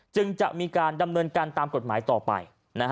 จึงจะมีการดำเนินการตามกฎหมายต่อไป